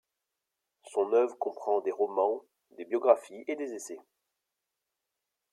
Son œuvre comprend des romans, des biographies et des essais.